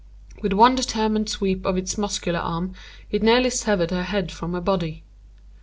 With one determined sweep of its muscular arm it nearly severed her head from her body.